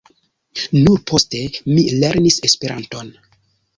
Nur poste mi lernis esperanton.